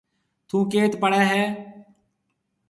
ٿون ڪيٿ پڙهيَ هيَ؟